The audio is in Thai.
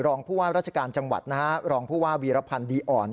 รองผู้ว่าราชการจังหวัดนะฮะรองผู้ว่าวีรพันธ์ดีอ่อน